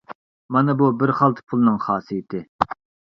مانا بۇ بىر خالتا پۇلنىڭ خاسىيىتى!